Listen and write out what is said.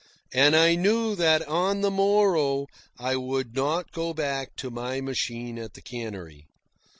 And I knew that on the morrow I would not go back to my machine at the cannery.